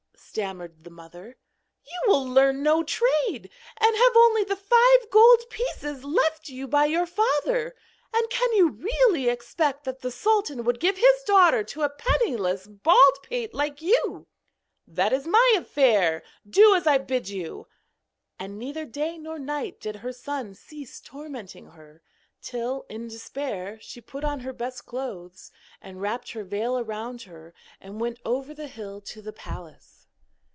stammered the mother. 'You will learn no trade, and have only the five gold pieces left you by your father, and can you really expect that the sultan would give his daughter to a penniless bald pate like you?' 'That is my affair; do as I bid you.' And neither day nor night did her son cease tormenting her, till, in despair, she put on her best clothes, and wrapped her veil about her, and went over the hill to the palace.